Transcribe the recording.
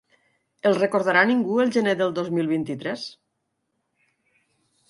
El recordarà ningú el gener del dos mil vint-i-tres?